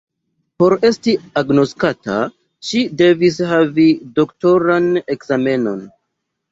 Por esti agnoskata, ŝi devis havi doktoran ekzamenon.